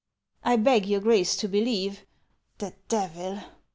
" I beg your Grace to believe — The Devil